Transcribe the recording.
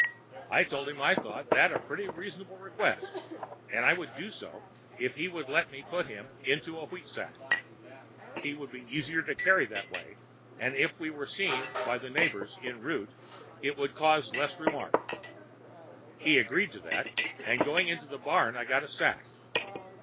"I told him I thought that a pretty reasonable request and I would do so if he would let me put him into a wheat sack; he would be easier to carry that way and if we were seen by the neighbors en route it would cause less remark. He agreed to that, and going to the barn I got a sack.